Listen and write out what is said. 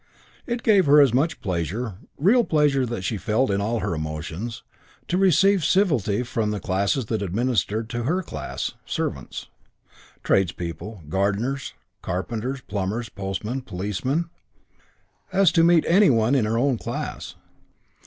It gave her as much pleasure, real pleasure that she felt in all her emotions, to receive civility from the classes that ministered to her class servants, tradespeople, gardeners, carpenters, plumbers, postmen, policemen as to meet any one in her own class.